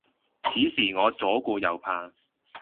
此時我左顧右盼